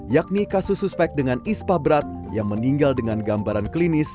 yakni kasus suspek dengan ispa berat yang meninggal dengan gambaran klinis